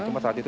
cuma saat itu